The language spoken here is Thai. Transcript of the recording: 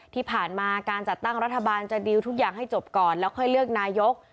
ที่ผ่านมาการจัดตั้งรัฐบาลจะดีลทุกอย่างให้จบก่อนแล้วค่อยเลือกนายก